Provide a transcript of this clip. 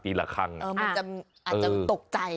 มันอาจจะตกใจ